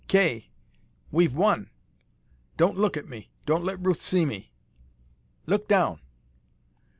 "Kay, we've won. Don't look at me. Don't let Ruth see me! Look down!"